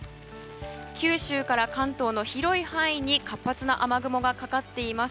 九州から関東の広い範囲に活発な雨雲がかかっています。